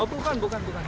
oh bukan bukan bukan